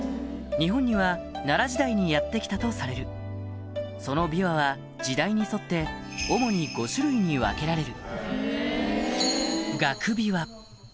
日本には奈良時代にやって来たとされるその琵琶は時代に沿って主に五種類に分けられる